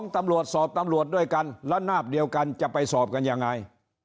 ตำรวจสอบตำรวจด้วยกันแล้วนาบเดียวกันจะไปสอบกันยังไง